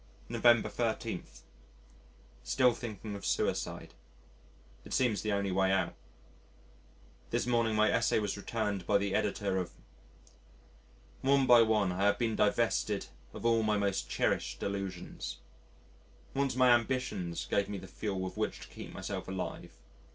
November 13. Still thinking of suicide. It seems the only way out. This morning my Essay was returned by the Editor of . One by one I have been divested of all my most cherished illusions. Once my ambitions gave me the fuel with which to keep myself alive.